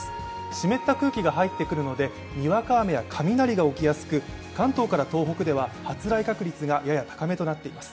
湿った空気が入ってくるのでにわか雨や雷が起きやすく関東から東北では発雷確率がやや高めとなっています。